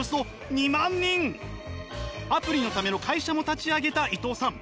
アプリのための会社も立ち上げた伊藤さん。